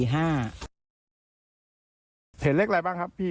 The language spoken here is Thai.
เห็นเลขอะไรบ้างครับพี่